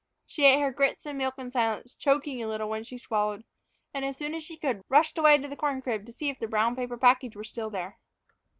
She ate her grits and milk in silence, choking a little when she swallowed, and, as soon as she could, rushed away to the corn crib to see if the brown paper package were still there.